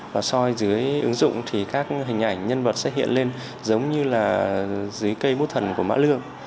và soi dưới ứng dụng thì các hình ảnh nhân vật sẽ hiện lên giống như là dưới cây bút thần của mã lương